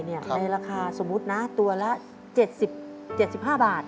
ในราคาสมมุตินะตัวละ๗๕บาท